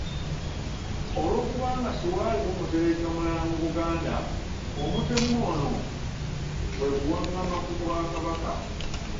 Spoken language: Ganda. Olwokubanga siwaaliwo muteregga mulala mu Buganda, omutemu ono kwe kuwangama ku Bwakabaka.